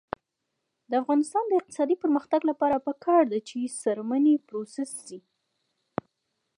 د افغانستان د اقتصادي پرمختګ لپاره پکار ده چې څرمنې پروسس شي.